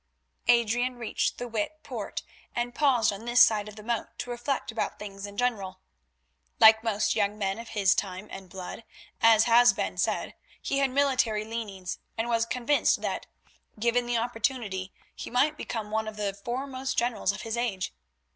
Adrian reached the Witte Poort, and paused on this side of the moat to reflect about things in general. Like most young men of his time and blood, as has been said, he had military leanings, and was convinced that, given the opportunity, he might become one of the foremost generals of his age.